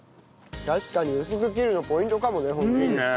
確かに薄く切るのポイントかもねホントに。